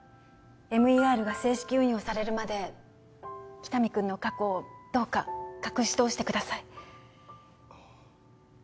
ＭＥＲが正式運用されるまで喜多見君の過去をどうか隠し通してください